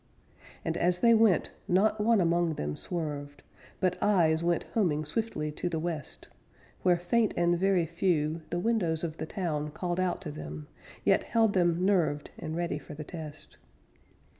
And, as they went, not one among them swerved, But eyes went homing swiftly to the West, Where, faint and very few, The windows of the town called out to them Yet held them nerved And ready for the test.